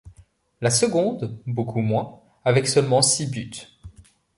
La seconde beaucoup moins, avec seulement six buts.